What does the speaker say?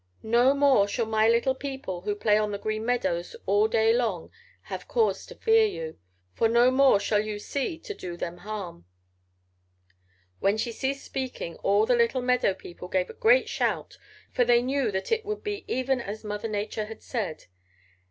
No more shall my little people who play on the Green Meadows all the day long have cause to fear you, for no more shall you see to do them harm.' "When she ceased speaking all the little meadow people gave a great shout, for they knew that it would be even as Mother Nature had said.